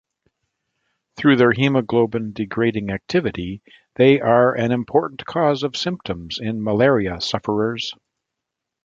Through their haemoglobin-degrading activity, they are an important cause of symptoms in malaria sufferers.